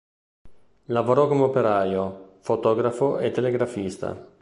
Lavorò come operaio, fotografo e telegrafista.